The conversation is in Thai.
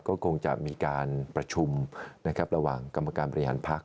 ก็คงจะมีการประชุมนะครับระหว่างกรรมการบริหารพักษ